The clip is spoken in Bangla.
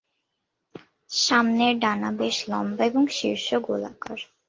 সামনের ডানা বেশ লম্বা এবং শীর্ষ গোলাকার।